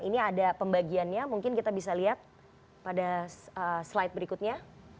ini ada pembagiannya mungkin kita bisa lihat pada slide berikutnya